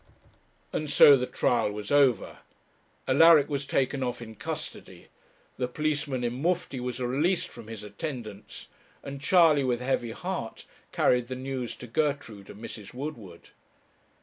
And so the trial was over. Alaric was taken off in custody; the policeman in mufti was released from his attendance; and Charley, with a heavy heart, carried the news to Gertrude and Mrs. Woodward.